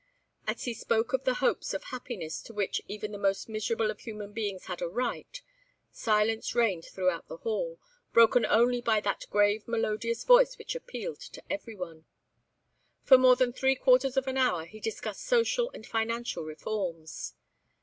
As he spoke of the hopes of happiness to which even the most miserable of human beings had a right, silence reigned throughout the hall, broken only by that grave melodious voice which appealed to everyone. For more than three quarters of an hour he discussed social and financial reforms.